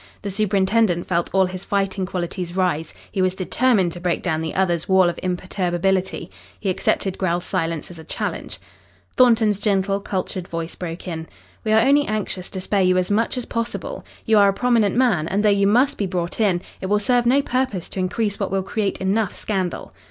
The superintendent felt all his fighting qualities rise. He was determined to break down the other's wall of imperturbability. He accepted Grell's silence as a challenge. Thornton's gentle, cultured voice broke in. "We are only anxious to spare you as much as possible. You are a prominent man, and though you must be brought in, it will serve no purpose to increase what will create enough scandal."